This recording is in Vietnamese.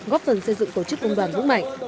góp phần xây dựng tổ chức công đoàn vững mạnh